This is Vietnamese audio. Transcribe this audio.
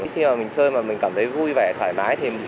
khi mà mình chơi mà mình cảm thấy vui vẻ thoải mái